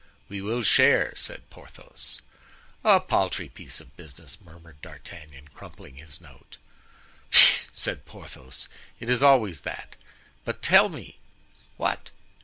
"We will share," said Porthos. "A paltry piece of business!" murmured D'Artagnan crumpling his note. "Pooh!" said Porthos, "it is always that. But tell me——" "What?"